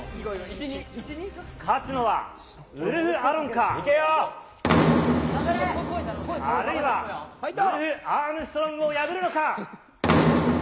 勝つのはウルフ・アロンか、あるいはウルフ・アームストロングを破るのか。